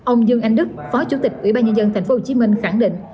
ông dương anh đức phó chủ tịch ủy ban nhân dân tp hcm khẳng định